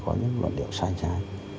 có những loạn điệu sai trái